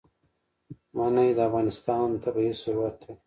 منی د افغانستان طبعي ثروت دی.